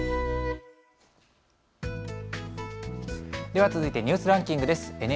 では続いてニュースランキングです。